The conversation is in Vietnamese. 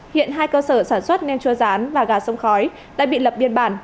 hiện hai cơ sở sản xuất nem chua rán và gà sông khói đã bị lập biên bản